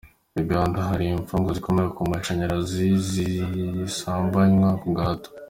Uganda: Hari imfungwa zicomekwa ku mashyanyarazi n’ izisambanywa ku gahato.